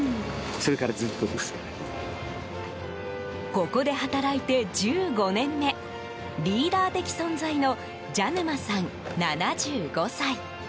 ここで働いて１５年目リーダー的存在の蛇沼さん、７５歳。